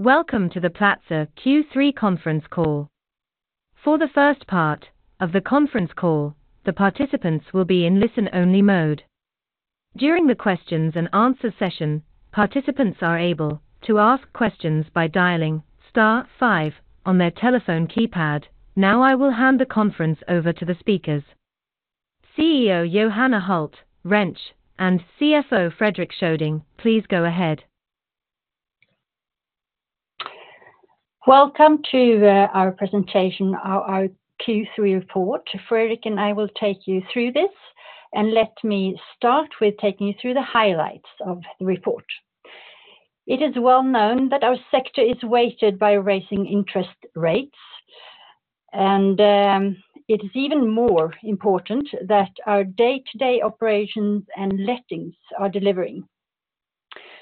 Welcome to the Platzer Q3 conference call. For the first part of the conference call, the participants will be in listen-only mode. During the questions and answer session, participants are able to ask questions by dialing star five on their telephone keypad. Now, I will hand the conference over to the speakers. CEO Johanna Hult Rentsch, and CFO Fredrik Sjudin, please go ahead. Welcome to our presentation, our Q3 report. Fredrik and I will take you through this, and let me start with taking you through the highlights of the report. It is well known that our sector is weighted by raising interest rates, and it is even more important that our day-to-day operations and lettings are delivering.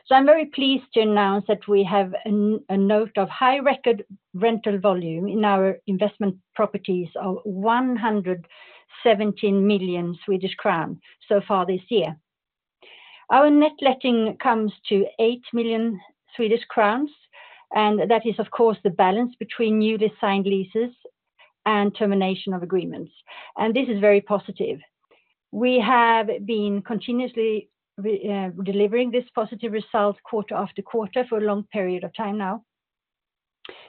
So I'm very pleased to announce that we have a record high rental volume in our investment properties of 117 million Swedish crown so far this year. Our net letting comes to 8 million Swedish crowns, and that is, of course, the balance between newly signed leases and termination of agreements, and this is very positive. We have been continuously delivering this positive result quarter after quarter for a long period of time now.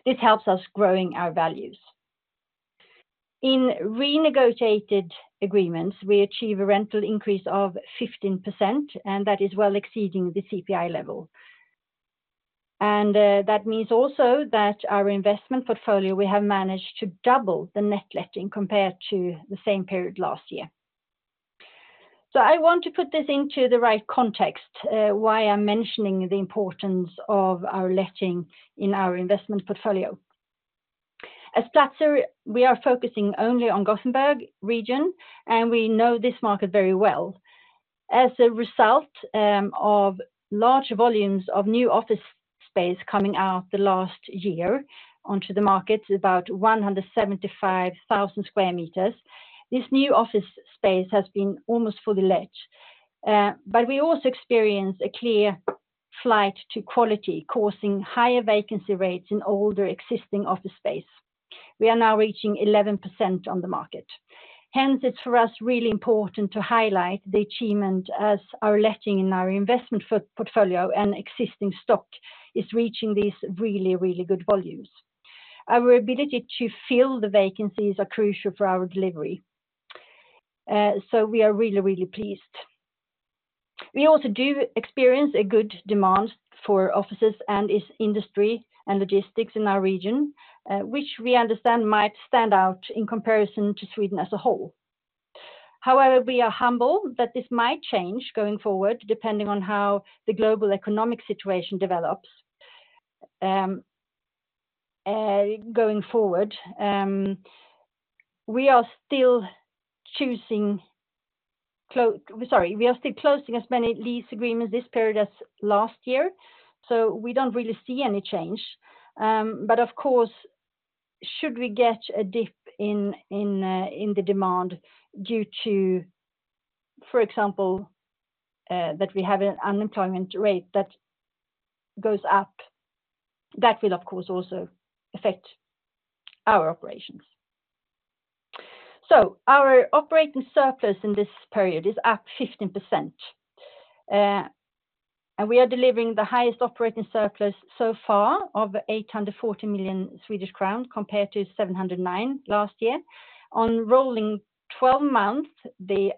This helps us growing our values. In renegotiated agreements, we achieve a rental increase of 15%, and that is well exceeding the CPI level. That means also that our investment portfolio, we have managed to double the net letting compared to the same period last year. I want to put this into the right context, why I'm mentioning the importance of our letting in our investment portfolio. As Platzer, we are focusing only on Gothenburg region, and we know this market very well. As a result, of large volumes of new office space coming out the last year onto the market, about 175,000 square meters, this new office space has been almost fully let. But we also experience a clear flight to quality, causing higher vacancy rates in older existing office space. We are now reaching 11% on the market. Hence, it's for us really important to highlight the achievement as our letting in our investment portfolio and existing stock is reaching these really, really good volumes. Our ability to fill the vacancies are crucial for our delivery, so we are really, really pleased. We also do experience a good demand for offices and its industry and logistics in our region, which we understand might stand out in comparison to Sweden as a whole. However, we are humble that this might change going forward, depending on how the global economic situation develops. Sorry, going forward, we are still closing as many lease agreements this period as last year, so we don't really see any change. But of course, should we get a dip in the demand due to, for example, that we have an unemployment rate that goes up, that will, of course, also affect our operations. So our operating surplus in this period is up 15%, and we are delivering the highest operating surplus so far of 840 million Swedish crowns, compared to 709 million last year. On rolling 12 months, the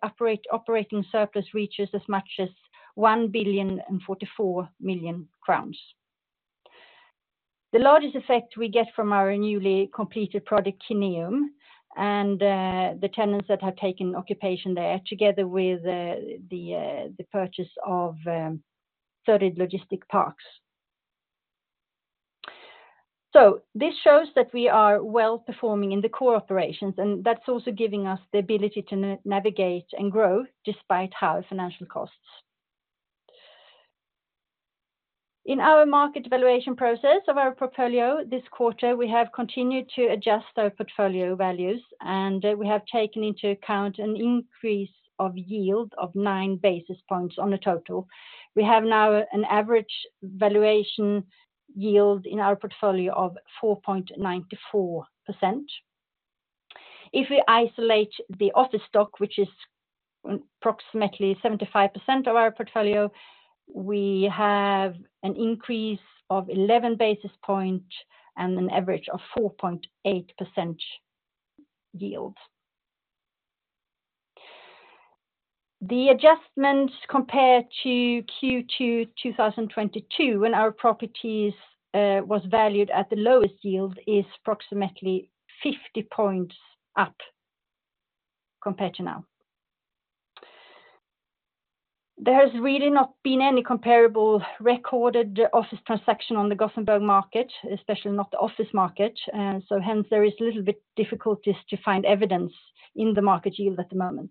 operating surplus reaches as much as 1,044 million crowns. The largest effect we get from our newly completed product, Kineum, and the tenants that have taken occupation there, together with the purchase of Sörred Logistics Park. So this shows that we are well-performing in the core operations, and that's also giving us the ability to navigate and grow despite high financial costs. In our market valuation process of our portfolio this quarter, we have continued to adjust our portfolio values, and we have taken into account an increase of yield of 9 basis points on the total. We have now an average valuation yield in our portfolio of 4.94%. If we isolate the office stock, which is approximately 75% of our portfolio, we have an increase of 11 basis point and an average of 4.8% yield. The adjustments compared to Q2 2022, when our properties was valued at the lowest yield, is approximately 50 points up compared to now. There has really not been any comparable recorded office transaction on the Gothenburg market, especially not the office market. So hence, there is a little bit difficulties to find evidence in the market yield at the moment.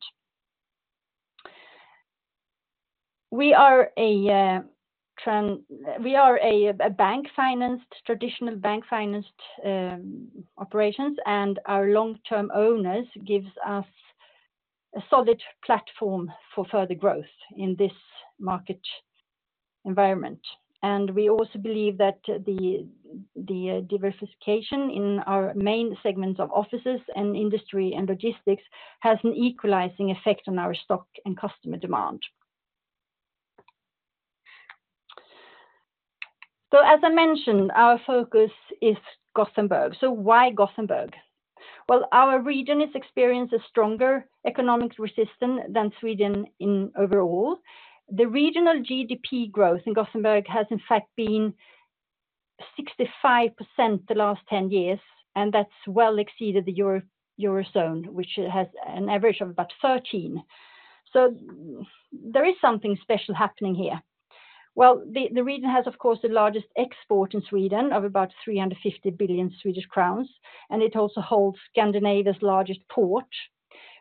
We are a bank-financed, traditional bank-financed operations, and our long-term owners gives us a solid platform for further growth in this market environment. And we also believe that the diversification in our main segments of offices and industry and logistics has an equalizing effect on our stock and customer demand. So as I mentioned, our focus is Gothenburg. So why Gothenburg? Well, our region is experiencing a stronger economic resistance than Sweden in overall. The regional GDP growth in Gothenburg has in fact been 65% the last 10 years, and that's well exceeded the eurozone, which has an average of about 13%. So there is something special happening here. Well, the region has, of course, the largest export in Sweden of about 350 billion Swedish crowns, and it also holds Scandinavia's largest port,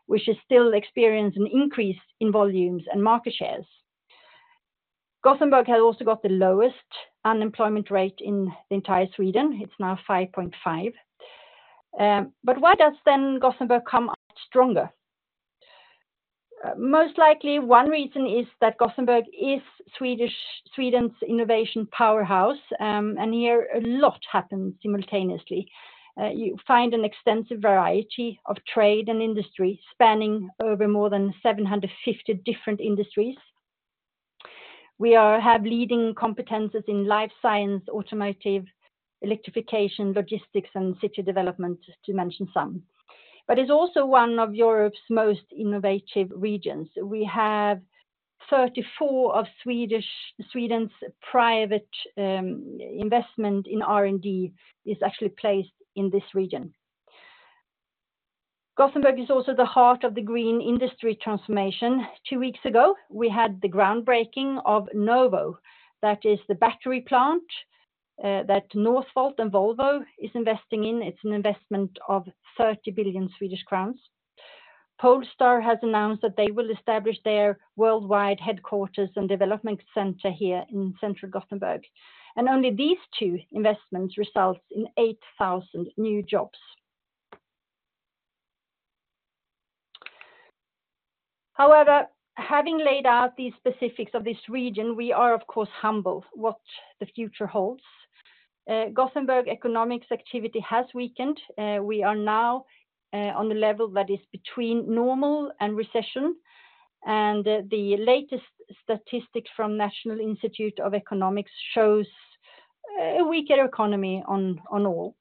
which is still experiencing an increase in volumes and market shares. Gothenburg has also got the lowest unemployment rate in the entire Sweden. It's now 5.5%. But why does then Gothenburg come out stronger? Most likely, one reason is that Gothenburg is Sweden's innovation powerhouse, and here a lot happens simultaneously. You find an extensive variety of trade and industry spanning over more than 750 different industries. We have leading competencies in life science, automotive, electrification, logistics, and city development, to mention some. But it's also one of Europe's most innovative regions. We have 34 of Sweden's private investment in R&D is actually placed in this region. Gothenburg is also the heart of the green industry transformation. Two weeks ago, we had the groundbreaking of Novo. That is the battery plant that Northvolt and Volvo is investing in. It's an investment of 30 billion Swedish crowns. Polestar has announced that they will establish their worldwide headquarters and development center here in central Gothenburg, and only these two investments results in 8,000 new jobs. However, having laid out the specifics of this region, we are, of course, humble what the future holds. Gothenburg economic activity has weakened. We are now on the level that is between normal and recession, and the latest statistics from National Institute of Economics shows a weaker economy on all.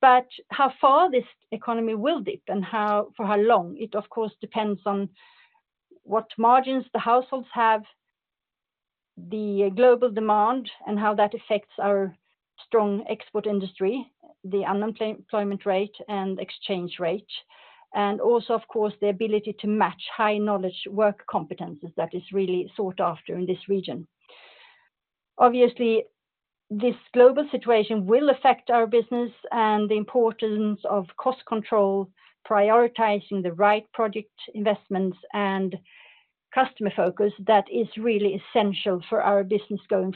But how far this economy will dip and how for how long? It, of course, depends on what margins the households have, the global demand, and how that affects our strong export industry, the unemployment rate and exchange rate, and also, of course, the ability to match high-knowledge work competencies that is really sought after in this region. Obviously, this global situation will affect our business and the importance of cost control, prioritizing the right project investments and customer focus that is really essential for our business going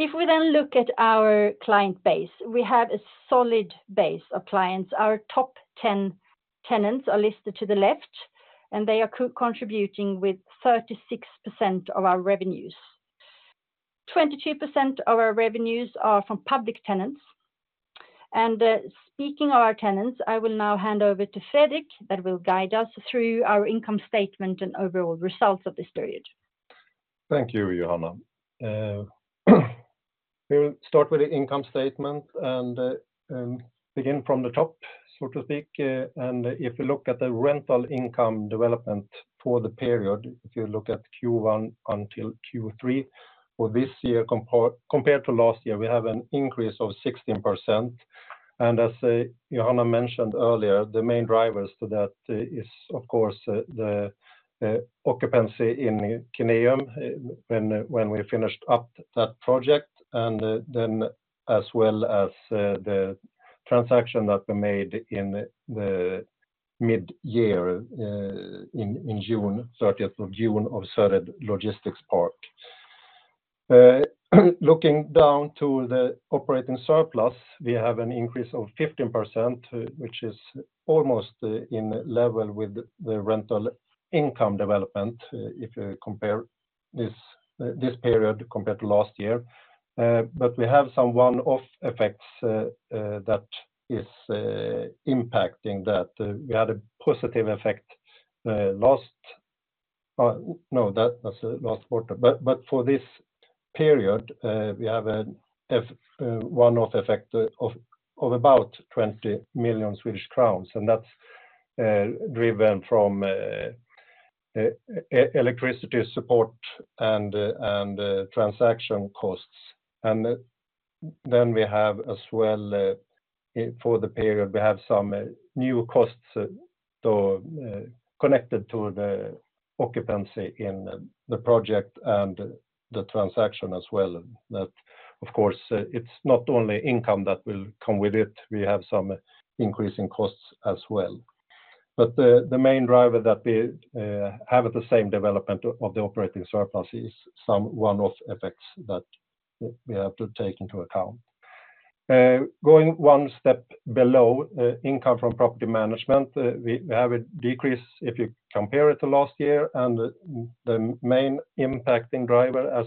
forward. If we then look at our client base, we have a solid base of clients. Our top 10 tenants are listed to the left, and they are co-contributing with 36% of our revenues. 22% of our revenues are from public tenants. Speaking of our tenants, I will now hand over to Fredrik, that will guide us through our income statement and overall results of this period. Thank you, Johanna. We'll start with the income statement and begin from the top, so to speak, and if you look at the rental income development for the period, if you look at Q1 until Q3, for this year compared to last year, we have an increase of 16%. As Johanna mentioned earlier, the main drivers to that is, of course, the occupancy in Kineum when we finished up that project, and then as well as the transaction that we made in the mid-year in June 30 of Sörred Logistics Park. Looking down to the operating surplus, we have an increase of 15%, which is almost in level with the rental income development if you compare this period compared to last year. But we have some one-off effects that is impacting that. We had a positive effect last, no, that was the last quarter. But for this period, we have a one-off effect of about 20 million Swedish crowns, and that's driven from electricity support and transaction costs. And then we have as well, for the period, we have some new costs connected to the occupancy in the project and the transaction as well. That, of course, it's not only income that will come with it, we have some increase in costs as well. But the main driver that we have at the same development of the operating surplus is some one-off effects that we have to take into account. Going one step below, income from property management, we have a decrease if you compare it to last year, and the main impacting driver, as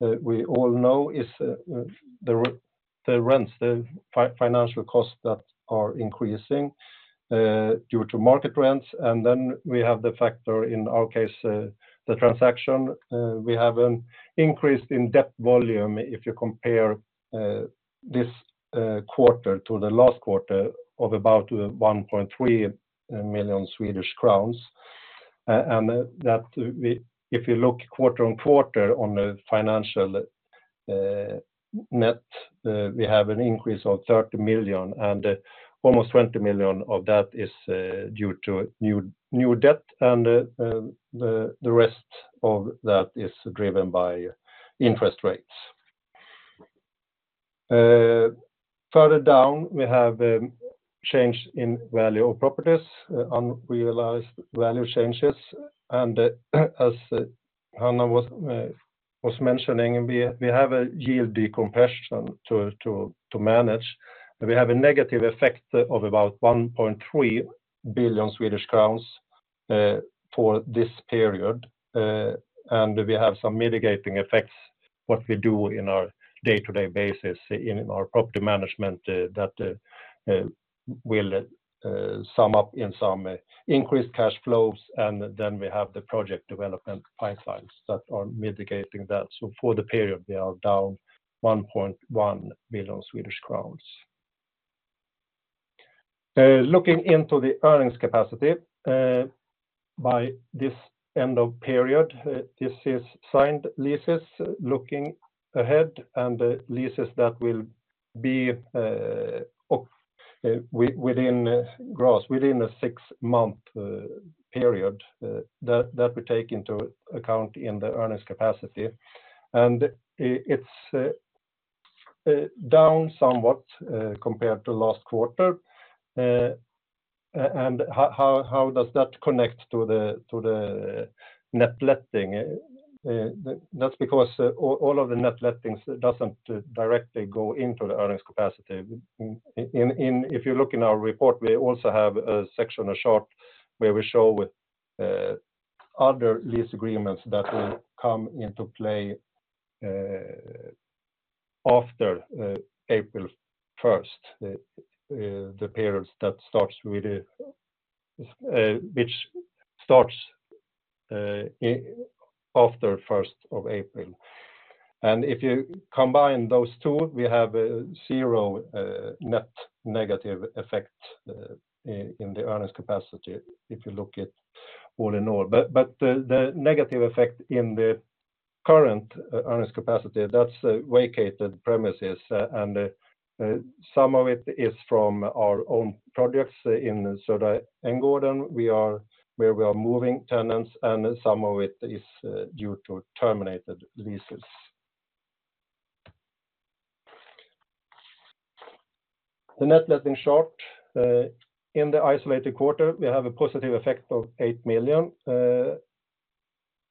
we all know, is the rents, the financial costs that are increasing due to market rents. And then we have the factor, in our case, the transaction. We have an increase in debt volume if you compare this quarter to the last quarter of about 1.3 million Swedish crowns. And that, if you look quarter-over-quarter on the financial net, we have an increase of 30 million, and almost 20 million of that is due to new debt, and the rest of that is driven by interest rates. Further down, we have a change in value of properties, unrealized value changes. As Johanna was mentioning, we have a yield decompression to manage. We have a negative effect of about 1.3 billion Swedish crowns for this period. And we have some mitigating effects, what we do in our day-to-day basis in our property management, that will sum up in some increased cash flows, and then we have the project development pipelines that are mitigating that. So for the period, we are down 1.1 million Swedish crowns. Looking into the earnings capacity by the end of the period, this is signed leases looking ahead and the leases that will be within a six-month period that we take into account in the earnings capacity. And it's down somewhat compared to last quarter. And how does that connect to the net letting? That's because all of the net lettings doesn't directly go into the earnings capacity. In if you look in our report, we also have a section, a short, where we show other lease agreements that will come into play after April first, the periods that start after first of April. If you combine those two, we have a zero net negative effect in the earnings capacity, if you look at all in all. But the negative effect in the current earnings capacity, that's vacated premises, and some of it is from our own projects in Södra Änggården, where we are moving tenants, and some of it is due to terminated leases. The net letting short in the isolated quarter, we have a positive effect of 8 million.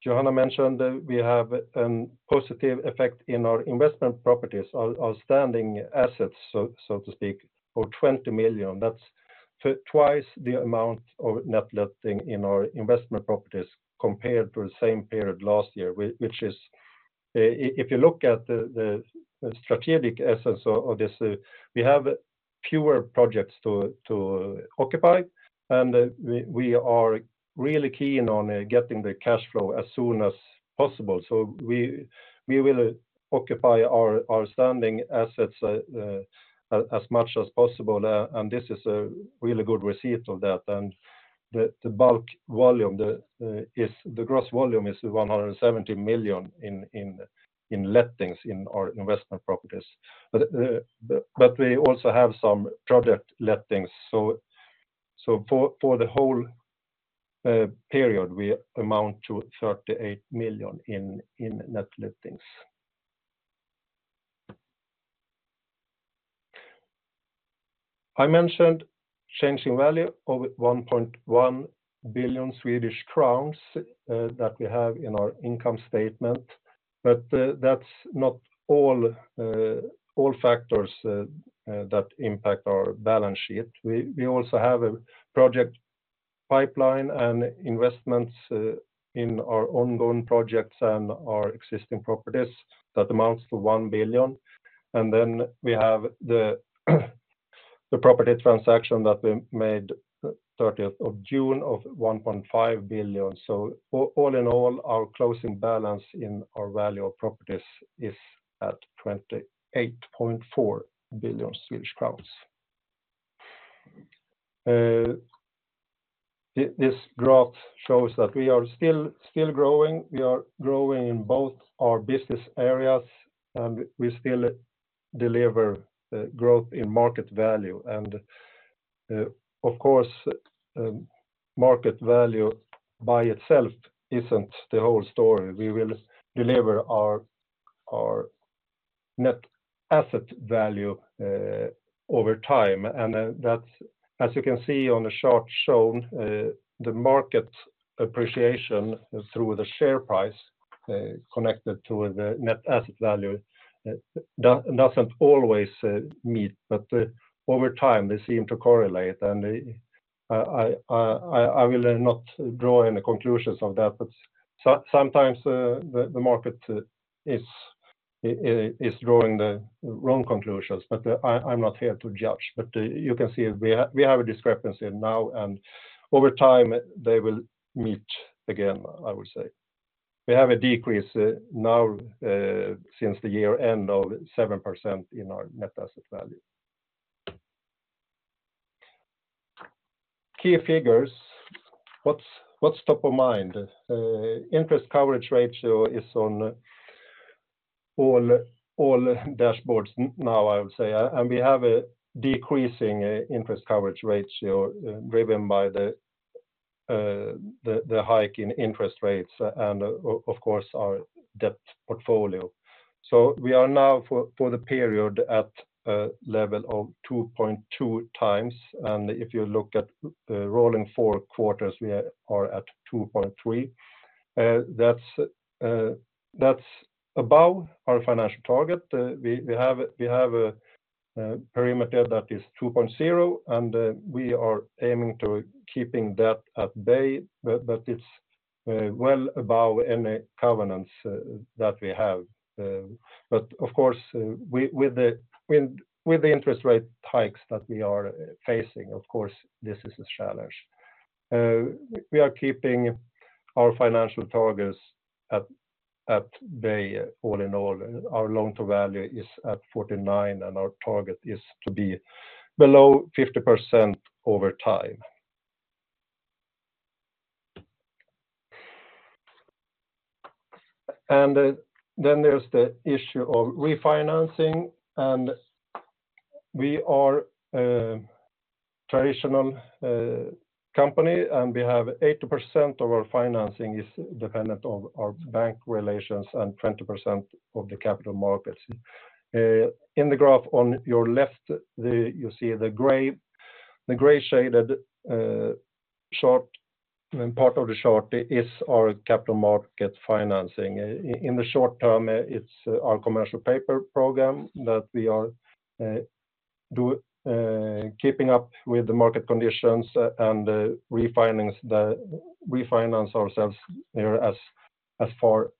Johanna mentioned that we have a positive effect in our investment properties, our standing assets, so to speak, for 20 million. That's twice the amount of net letting in our investment properties compared to the same period last year, which is, if you look at the strategic essence of this, we have fewer projects to occupy, and we are really keen on getting the cash flow as soon as possible. So we will occupy our standing assets as much as possible, and this is a really good receipt of that. And the bulk volume is the gross volume is 170 million in lettings in our investment properties. But we also have some project lettings, so for the whole period, we amount to 38 million in net lettings. I mentioned changing value of 1.1 billion Swedish crowns, that we have in our income statement, but, that's not all, all factors, that impact our balance sheet. We also have a project pipeline and investments, in our ongoing projects and our existing properties that amounts to 1 billion. And then we have the property transaction that we made thirtieth of June of 1.5 billion. So all in all, our closing balance in our value of properties is at 28.4 billion Swedish crowns. This graph shows that we are still growing. We are growing in both our business areas, and we still deliver growth in market value. And, of course, market value by itself isn't the whole story. We will deliver our... Net asset value over time, and that's, as you can see on the chart shown, the market appreciation through the share price connected to the net asset value doesn't always meet, but over time, they seem to correlate. And I will not draw any conclusions of that, but sometimes the market is drawing the wrong conclusions, but I'm not here to judge. But you can see we have a discrepancy now, and over time, they will meet again, I would say. We have a decrease now since the year-end of 7% in our net asset value. Key figures. What's top of mind? Interest coverage ratio is on all dashboards now, I would say. We have a decreasing interest coverage ratio driven by the hike in interest rates and of course our debt portfolio. We are now for the period at a level of 2.2 times, and if you look at the rolling four quarters, we are at 2.3. That's above our financial target. We have a parameter that is 2.0, and we are aiming to keeping that at bay, but it's well above any covenants that we have. Of course with the interest rate hikes that we are facing, of course, this is a challenge. We are keeping our financial targets at bay all in all. Our loan-to-value is at 49%, and our target is to be below 50% over time. Then there's the issue of refinancing, and we are a traditional company, and we have 80% of our financing is dependent on our bank relations and 20% of the capital markets. In the graph on your left, you see the gray-shaded chart, and part of the chart is our capital market financing. In the short term, it's our commercial paper program that we are keeping up with the market conditions and refinance ourselves there as far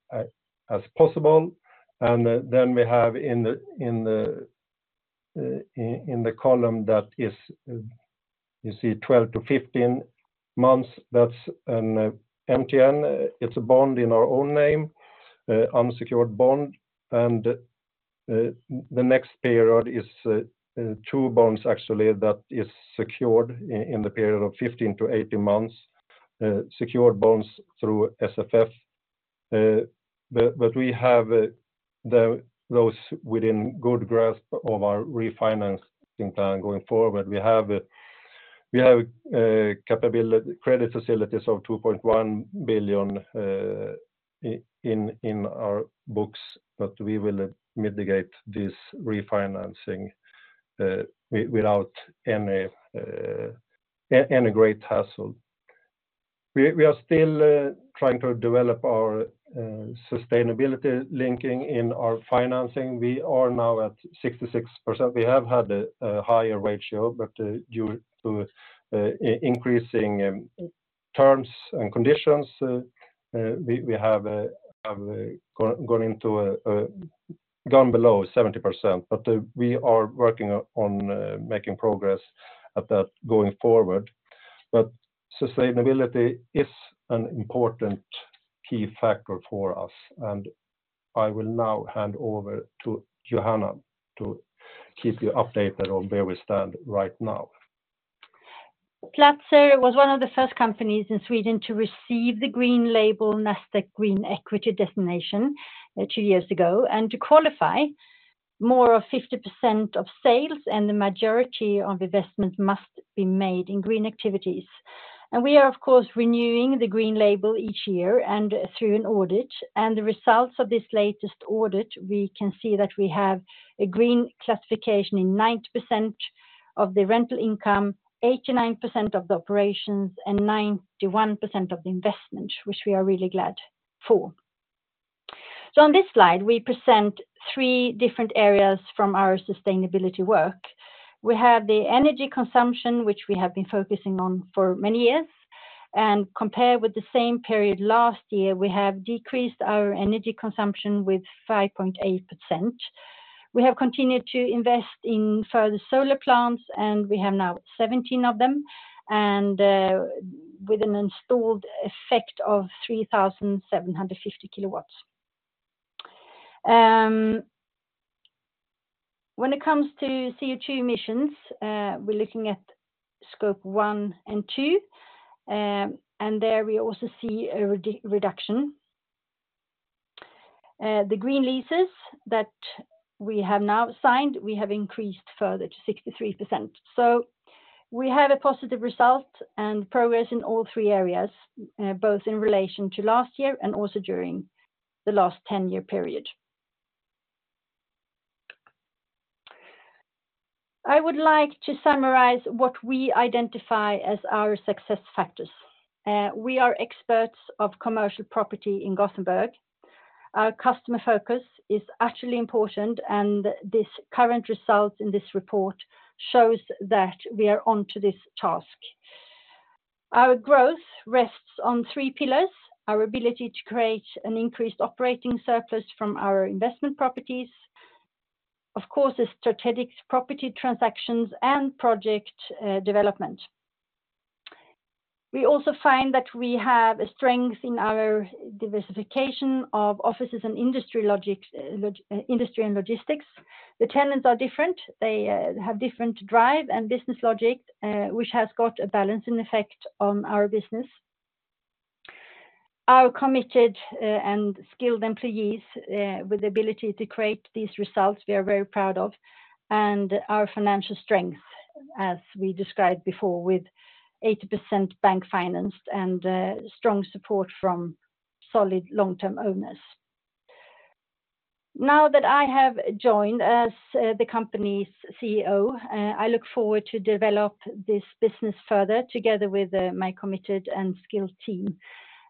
as possible. Then we have in the column that you see 12-15 months, that's an MTN. It's a bond in our own name, unsecured bond. The next period is two bonds actually, that is secured in the period of 15-18 months, secured bonds through SFF. But we have those within good grasp of our refinancing plan going forward. We have capability, credit facilities of 2.1 billion in our books, but we will mitigate this refinancing without any great hassle. We are still trying to develop our sustainability linking in our financing. We are now at 66%. We have had a higher ratio, but due to increasing terms and conditions, we have gone below 70%, but we are working on making progress at that going forward. Sustainability is an important key factor for us, and I will now hand over to Johanna to keep you updated on where we stand right now. Platzer was one of the first companies in Sweden to receive the green label, Nasdaq Green Equity Designation, two years ago. To qualify, more of 50% of sales and the majority of investment must be made in green activities. We are, of course, renewing the green label each year and through an audit. The results of this latest audit, we can see that we have a green classification in 90% of the rental income, 89% of the operations, and 91% of the investment, which we are really glad for. On this slide, we present three different areas from our sustainability work. We have the energy consumption, which we have been focusing on for many years, and compared with the same period last year, we have decreased our energy consumption with 5.8%. We have continued to invest in further solar plants, and we have now 17 of them, and with an installed effect of 3,750 kilowatts. When it comes to CO2 emissions, we're looking at scope one and two, and there we also see a reduction. The green leases that we have now signed, we have increased further to 63%. We have a positive result and progress in all three areas, both in relation to last year and also during the last ten-year period. I would like to summarize what we identify as our success factors. We are experts of commercial property in Gothenburg. Our customer focus is actually important, and this current results in this report shows that we are on to this task. Our growth rests on three pillars: our ability to create an increased operating surplus from our investment properties, of course, the strategic property transactions, and project development. We also find that we have a strength in our diversification of offices and industry and logistics. The tenants are different. They have different drive and business logic, which has got a balancing effect on our business. Our committed and skilled employees with the ability to create these results, we are very proud of, and our financial strength, as we described before, with 80% bank financed and strong support from solid long-term owners. Now that I have joined as the company's CEO, I look forward to develop this business further together with my committed and skilled team.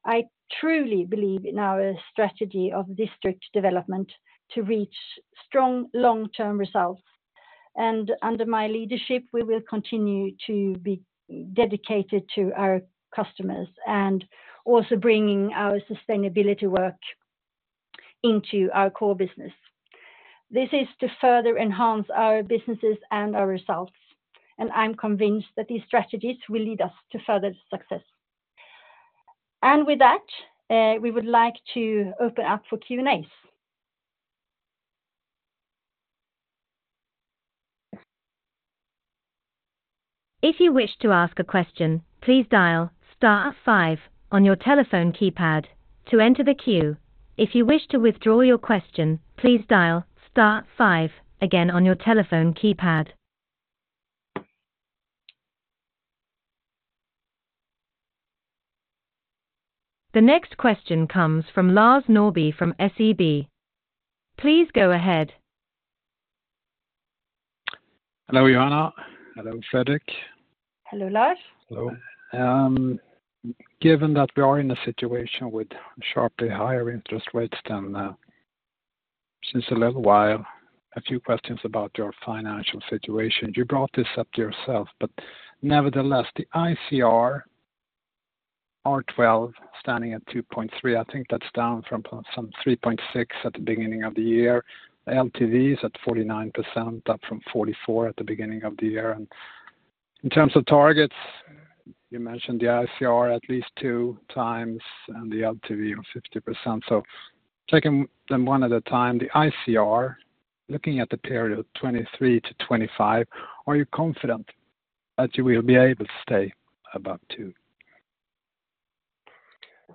I truly believe in our strategy of district development to reach strong long-term results. Under my leadership, we will continue to be dedicated to our customers and also bringing our sustainability work into our core business. This is to further enhance our businesses and our results, and I'm convinced that these strategies will lead us to further success. With that, we would like to open up for Q&As. If you wish to ask a question, please dial star five on your telephone keypad to enter the queue. If you wish to withdraw your question, please dial star five again on your telephone keypad. The next question comes from Lars Norrby from SEB. Please go ahead. Hello, Johanna. Hello, Fredrik. Hello, Lars. Hello. Given that we are in a situation with sharply higher interest rates than since a little while, a few questions about your financial situation. You brought this up to yourself, but nevertheless, the ICR R12 standing at 2.3, I think that's down from 3.6 at the beginning of the year. The LTV is at 49%, up from 44% at the beginning of the year. In terms of targets, you mentioned the ICR at least 2x and the LTV of 50%. So taking them one at a time, the ICR, looking at the period 2023-2025, are you confident that you will be able to stay above 2?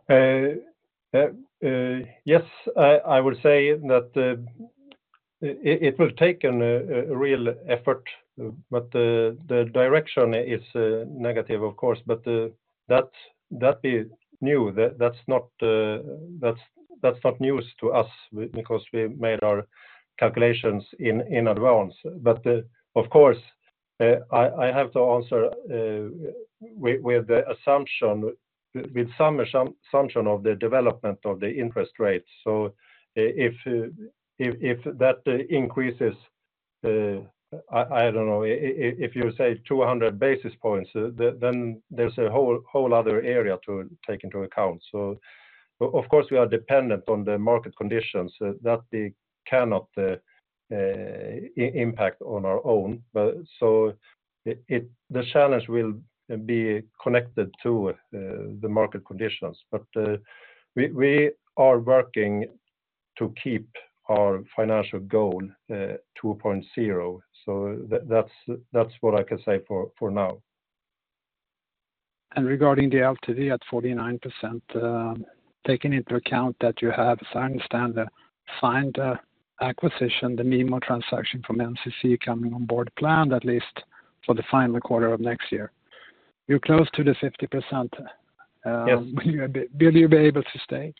Yes, I would say that it will take a real effort, but the direction is negative, of course. But that is new. That's not news to us because we made our calculations in advance. But, of course, I have to answer with some assumption of the development of the interest rates. So if that increases, I don't know, if you say 200 basis points, then there's a whole other area to take into account. So of course, we are dependent on the market conditions that we cannot impact on our own. But so it—the challenge will be connected to the market conditions. We are working to keep our financial goal 2.0. So that's what I can say for now. Regarding the LTV at 49%, taking into account that you have, as I understand, signed an acquisition, the Mimo transaction from NCC coming on board planned, at least for the final quarter of next year. You're close to the 50%. Yes. Will you be able to stay-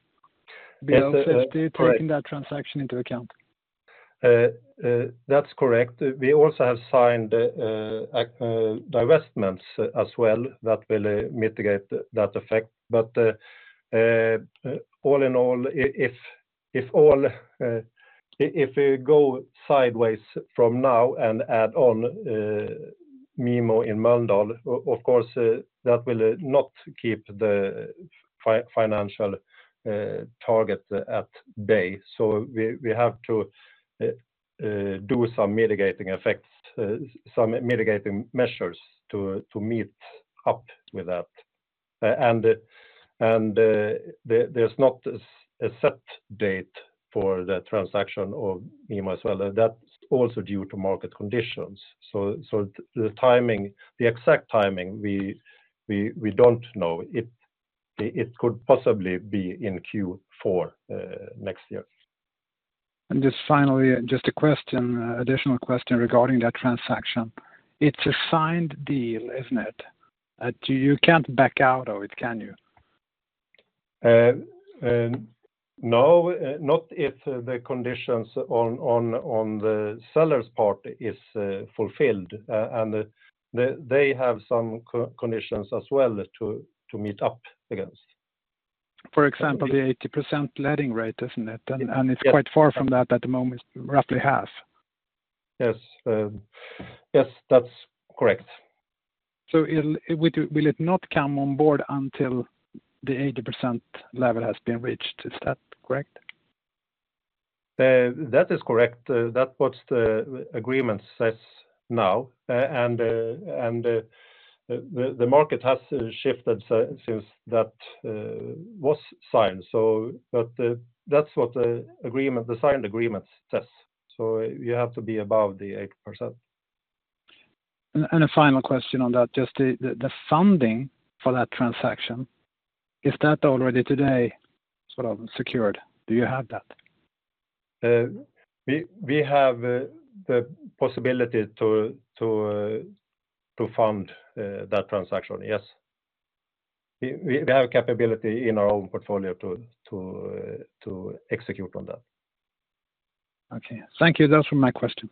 Yes, correct. Beyond 50, taking that transaction into account? That's correct. We also have signed divestments as well that will mitigate that effect. But all in all, if we go sideways from now and add on Mimo in Mölndal, of course, that will not keep the financial target at bay. So we have to do some mitigating effects, some mitigating measures to meet up with that. And there's not a set date for the transaction of Mimo as well. That's also due to market conditions. So the timing, the exact timing, we don't know. It could possibly be in Q4 next year.... And just finally, just a question, additional question regarding that transaction. It's a signed deal, isn't it? You can't back out of it, can you? No, not if the conditions on the seller's part is fulfilled. And they have some conditions as well to meet up against. For example, the 80% letting rate, isn't it? Yes. It's quite far from that at the moment, roughly half. Yes. Yes, that's correct. So, will it not come on board until the 80% level has been reached? Is that correct? That is correct. That's what the agreement says now. And the market has shifted since that was signed. So but, that's what the agreement - the signed agreement says. So you have to be above the 8%. A final question on that, just the funding for that transaction, is that already today sort of secured? Do you have that? We have the possibility to fund that transaction. Yes. We have capability in our own portfolio to execute on that. Okay. Thank you. Those were my questions.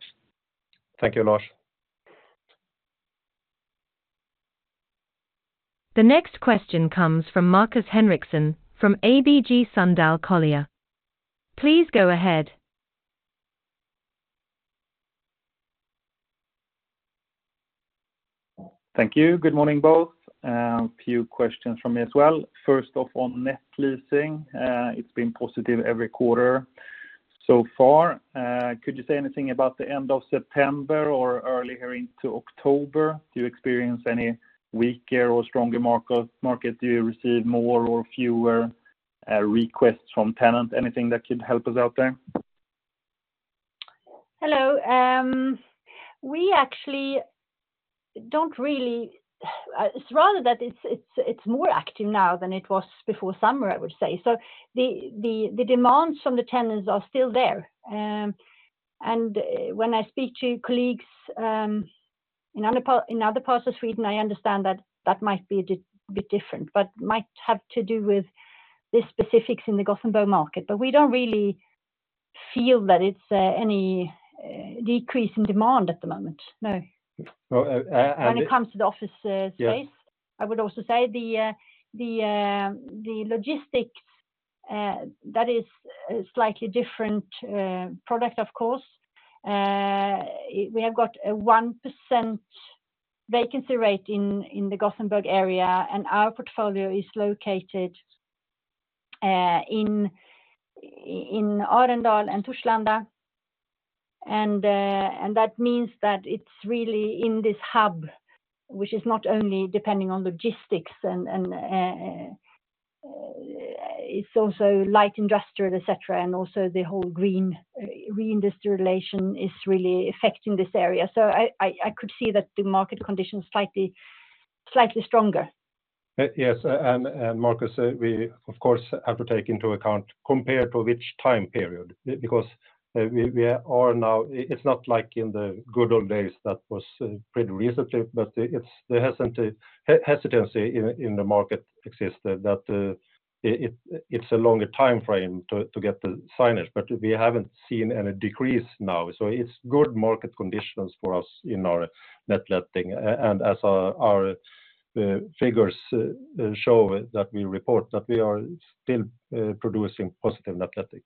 Thank you, Lars. The next question comes from Markus Henriksson, from ABG Sundal Collier. Please go ahead. Thank you. Good morning, both. A few questions from me as well. First off, on net letting, it's been positive every quarter so far. Could you say anything about the end of September or earlier into October? Do you experience any weaker or stronger market, market? Do you receive more or fewer requests from tenants? Anything that could help us out there? Hello. We actually don't really—it's rather that it's more active now than it was before summer, I would say. So the demands from the tenants are still there. And when I speak to colleagues in other parts of Sweden, I understand that that might be a bit different, but might have to do with the specifics in the Gothenburg market. But we don't really feel that it's any decrease in demand at the moment. No. Well, When it comes to the office space. Yeah. I would also say the logistics that is a slightly different product, of course. We have got a 1% vacancy rate in the Gothenburg area, and our portfolio is located in Arendal and Torslanda. And that means that it's really in this hub, which is not only depending on logistics and it's also light industrial, et cetera, and also the whole green reindustrialization is really affecting this area. So I could see that the market conditions slightly stronger. Yes, and Marcus, we of course have to take into account compared to which time period, because we are now. It's not like in the good old days, that was pretty recently, but there hasn't a hesitancy in the market existed, that it, it's a longer time frame to get the signing, but we haven't seen any decrease now. So it's good market conditions for us in our net letting. And as our figures show that we report, that we are still producing positive net letting.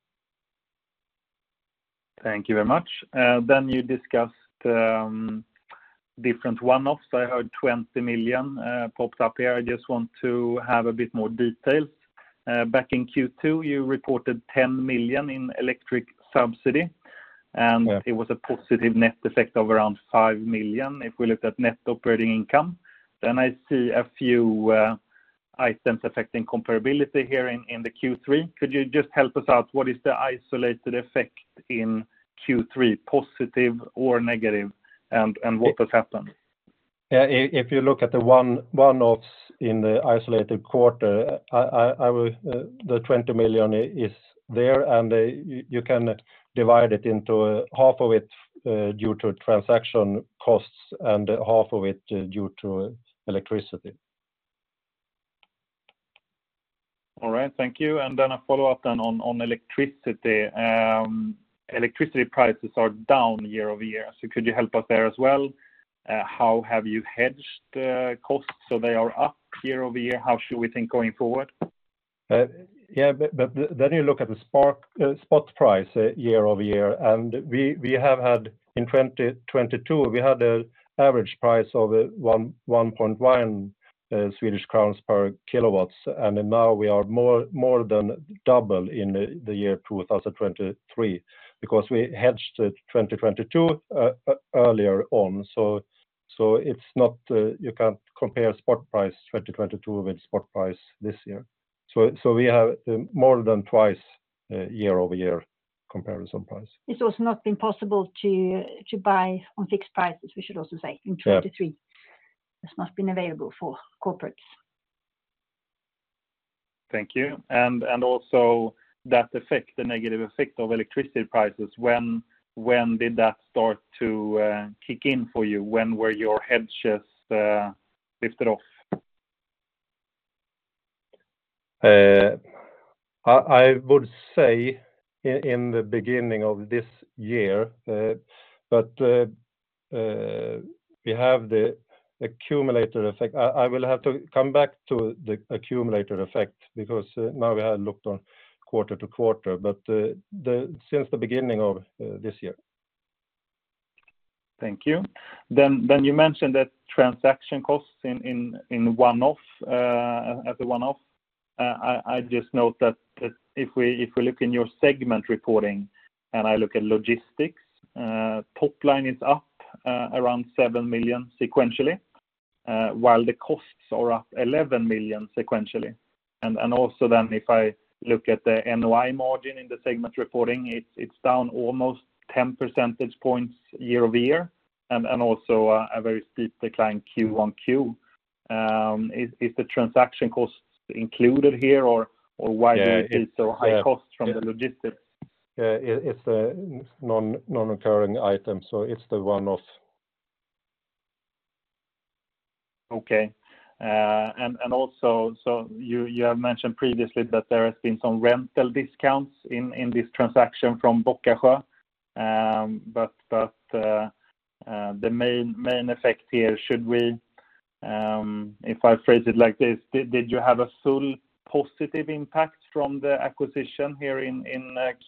Thank you very much. Then you discussed different one-offs. I heard 20 million popped up here. I just want to have a bit more details. Back in Q2, you reported 10 million in electric subsidy- Yeah... and it was a positive net effect of around 5 million, if we looked at net operating income. Then I see a few items affecting comparability here in the Q3. Could you just help us out? What is the isolated effect in Q3, positive or negative, and what has happened? If you look at the one-offs in the isolated quarter, I would, the 20 million is there, and you can divide it into half of it due to transaction costs and half of it due to electricity. All right, thank you. And then a follow-up on electricity. Electricity prices are down year-over-year, so could you help us there as well? How have you hedged costs so they are up year-over-year? How should we think going forward? Yeah, but then you look at the spot price year-over-year, and we have had in 2022 we had an average price of 1.1 Swedish crowns per kWh, and now we are more than double in the year 2023, because we hedged 2022 earlier on. So it's not... you can't compare spot price 2022 with spot price this year. So we have more than twice year-over-year comparison price. It's also not been possible to buy on fixed prices, we should also say, in 2023. Yeah. This must be available for corporates.... Thank you. And, and also that effect, the negative effect of electricity prices, when, when did that start to kick in for you? When were your hedges lifted off? I would say in the beginning of this year, but we have the accumulator effect. I will have to come back to the accumulator effect because now we have looked on quarter to quarter, but since the beginning of this year. Thank you. Then you mentioned that transaction costs in one-off, as a one-off. I just note that if we look in your segment reporting, and I look at logistics, top line is up around 7 million sequentially, while the costs are up 11 million sequentially. Also then if I look at the NOI margin in the segment reporting, it's down almost 10 percentage points year-over-year, and also a very steep decline Q1 Q. Is the transaction costs included here, or why do you see so high costs from the logistics? Yeah, it's a non-recurring item, so it's the one-off. Okay. And also, you have mentioned previously that there has been some rental discounts in this transaction from Bockasjö. But the main effect here, should we, if I phrase it like this, did you have a full positive impact from the acquisition here in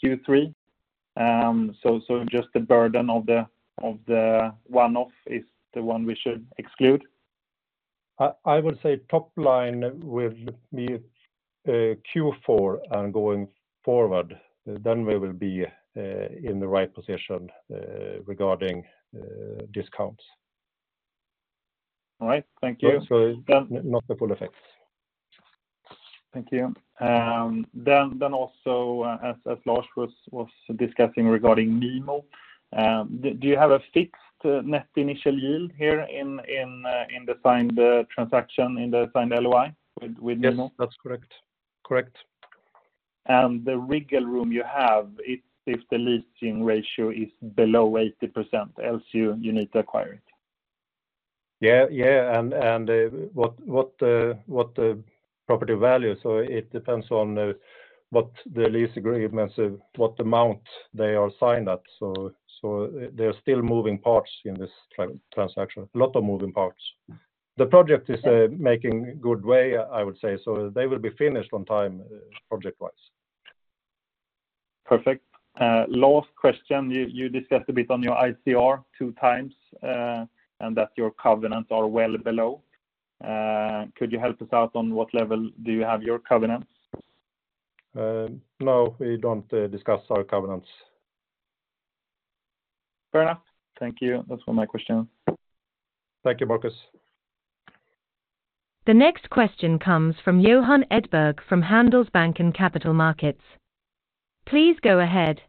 Q3? So just the burden of the one-off is the one we should exclude. I would say top line will be Q4 and going forward, then we will be in the right position regarding discounts. All right. Thank you. So not the full effect. Thank you. Then also, as Lars was discussing regarding Mimo, do you have a fixed net initial yield here in the signed transaction, in the signed LOI with Mimo? Yes, that's correct. Correct. The wiggle room you have, if the leasing ratio is below 80%, else you need to acquire it. Yeah, yeah, and what property value? So it depends on what the lease agreements, what amount they are signed at. So there are still moving parts in this transaction, a lot of moving parts. The project is making good way, I would say, so they will be finished on time, project-wise. Perfect. Last question, you discussed a bit on your ICR 2x, and that your covenants are well below. Could you help us out on what level do you have your covenants? No, we don't discuss our covenants. Fair enough. Thank you. That's all my question. Thank you, Marcus. The next question comes from Johan Edberg from Handelsbanken Capital Markets. Please go ahead.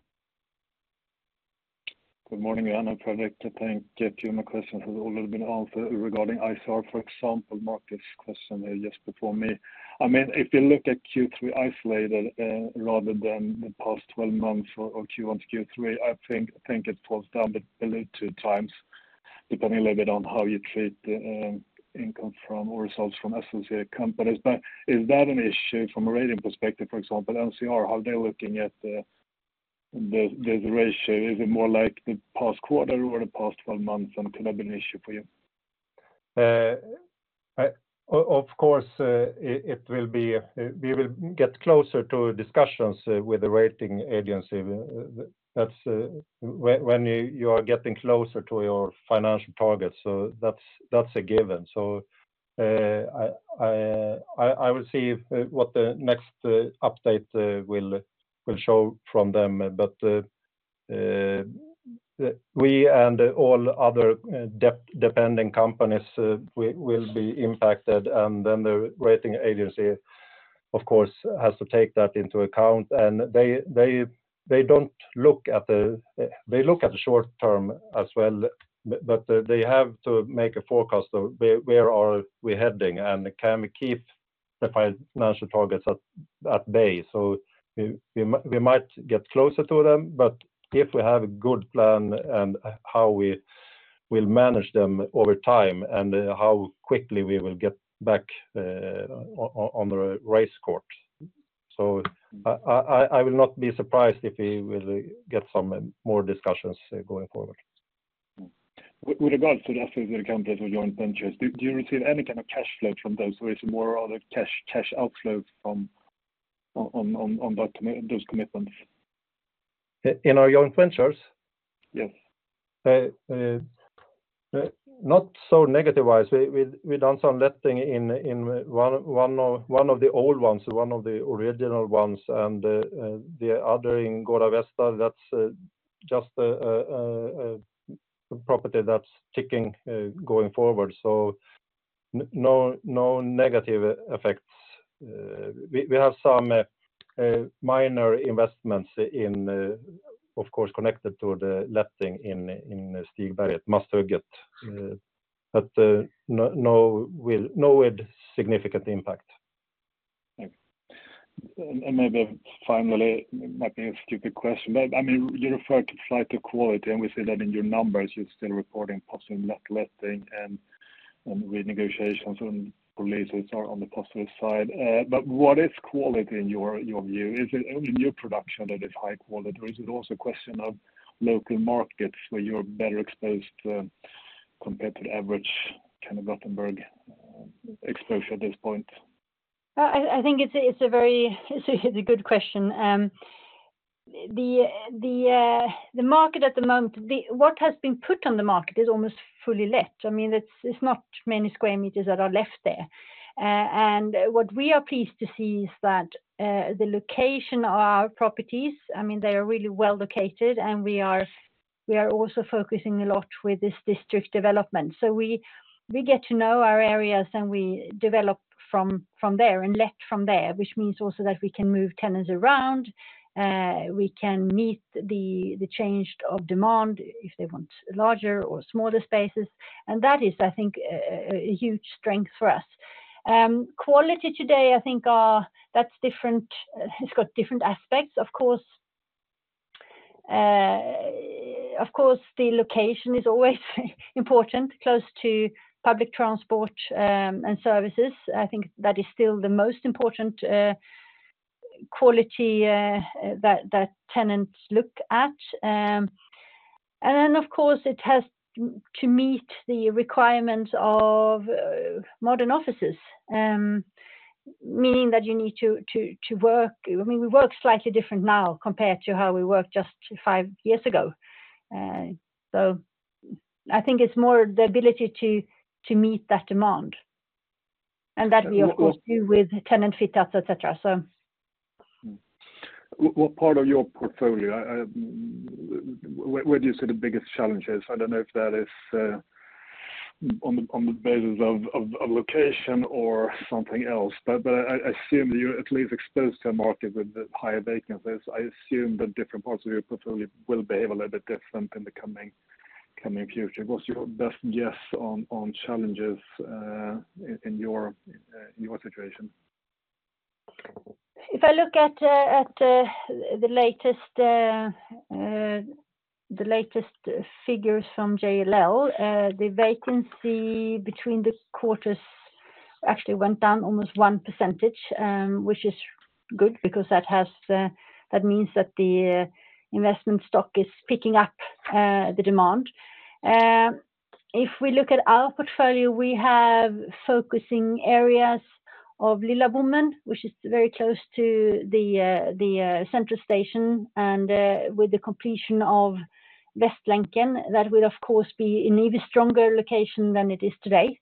Good morning, Johan, I'd like to thank you. My question has a little been answered regarding ICR, for example, Marcus' question just before me. I mean, if you look at Q3 isolated, rather than the past twelve months or Q1 to Q3, I think, think it falls down a bit 2x, depending a little bit on how you treat the, income from or results from associate companies. But is that an issue from a rating perspective, for example, ICR, how they're looking at the ratio? Is it more like the past quarter or the past twelve months, and could that be an issue for you? Of course, it will be... We will get closer to discussions with the rating agency. That's when you are getting closer to your financial targets, so that's a given. So, I will see what the next update will show from them. But we and all other depending companies, we will be impacted, and then the rating agency, of course, has to take that into account. And they don't look at the-- they look at the short term as well, but they have to make a forecast of where we are heading, and can we keep the financial targets at bay? So we might get closer to them, but if we have a good plan and how we will manage them over time, and how quickly we will get back on the race course. So I will not be surprised if we will get some more discussions going forward. With regards to the assets or companies or joint ventures, do you receive any kind of cash flow from those, or is it more rather cash outflow from those commitments? In our joint ventures? Yes. Not so negative-wise. We done some letting in one of the old ones, one of the original ones, and the other in Gårda Vesta, that's just a property that's ticking going forward. So no negative effects. We have some minor investments, of course, connected to the letting in Stigberg, Masthugget—but no, nothing with significant impact. Thanks. And maybe finally, it might be a stupid question, but I mean, you referred to slight vacancy, and we see that in your numbers. You're still reporting positive net letting and renegotiations and releases are on the positive side. But what is quality in your view? Is it only new production that is high quality, or is it also a question of local markets where you're better exposed compared to the average kind of Gothenburg exposure at this point? I think it's a very good question. The market at the moment, what has been put on the market is almost fully let. I mean, it's not many square meters that are left there. And what we are pleased to see is that, the location of our properties, I mean, they are really well located, and we are also focusing a lot with this district development. So we get to know our areas, and we develop from there and let from there, which means also that we can move tenants around, we can meet the change of demand if they want larger or smaller spaces, and that is, I think, a huge strength for us. Quality today, I think, that's different. It's got different aspects, of course. Of course, the location is always important, close to public transport, and services. I think that is still the most important quality that tenants look at. And then, of course, it has to meet the requirements of modern offices, meaning that you need to work, I mean, we work slightly different now compared to how we worked just five years ago. So I think it's more the ability to meet that demand, and that we of course do with tenant fit-outs, et cetera, so. Mm-hmm. What part of your portfolio, where do you see the biggest challenges? I don't know if that is on the basis of location or something else, but I assume you're at least exposed to a market with the higher vacancies. I assume the different parts of your portfolio will behave a little bit different in the coming future. What's your best guess on challenges in your situation? If I look at the latest figures from JLL, the vacancy between the quarters actually went down almost 1%, which is good because that means that the investment stock is picking up the demand. If we look at our portfolio, we have focusing areas of Lilla Bommen, which is very close to the central station, and with the completion of Västlänken, that will, of course, be an even stronger location than it is today.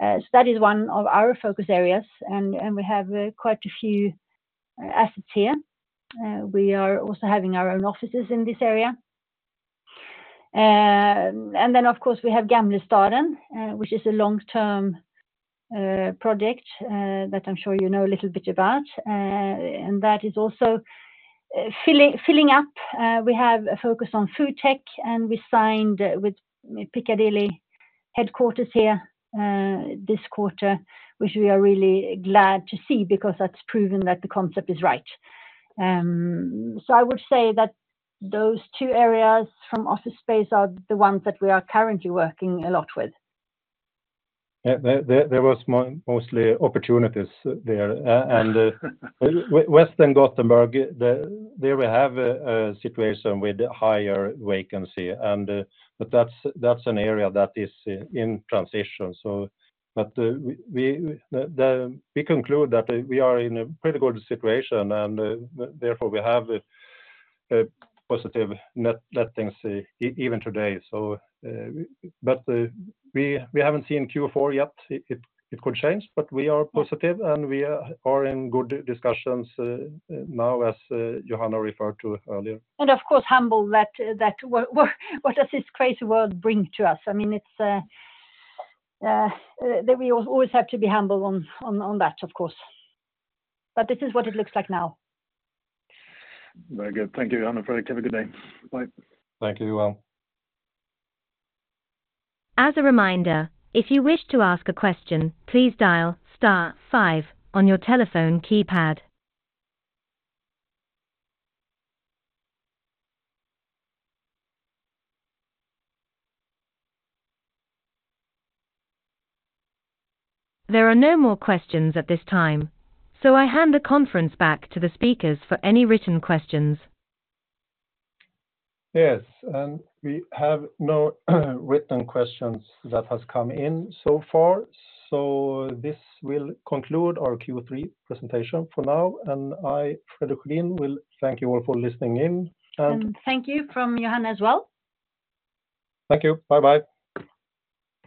So that is one of our focus areas, and we have quite a few assets here. We are also having our own offices in this area. And then, of course, we have Gamlestaden, which is a long-term project that I'm sure you know a little bit about, and that is also filling up. We have a focus on food tech, and we signed with Picadeli headquarters here this quarter, which we are really glad to see because that's proven that the concept is right. So I would say that those two areas from office space are the ones that we are currently working a lot with. Yeah, there was mostly opportunities there. And west Gothenburg, there we have a situation with higher vacancy, but that's an area that is in transition. So, we conclude that we are in a pretty good situation, and therefore, we have a positive net lettings even today. So, we haven't seen Q4 yet. It could change, but we are positive, and we are in good discussions now, as Johanna referred to earlier. And of course, humble that what does this crazy world bring to us? I mean, it's that we always have to be humble on that, of course. But this is what it looks like now. Very good. Thank you, Johanna, Fredrik. Have a good day. Bye. Thank you. Well... As a reminder, if you wish to ask a question, please dial star five on your telephone keypad. There are no more questions at this time, so I hand the conference back to the speakers for any written questions. Yes, and we have no written questions that has come in so far, so this will conclude our Q3 presentation for now. And I, Fredrik Sjudin, will thank you all for listening in and- Thank you from Johanna as well. Thank you. Bye-bye.